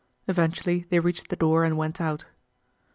Eventually they reached the door and went out.